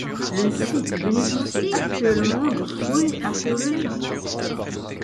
Le site bénéficie actuellement de fouilles archéologiques.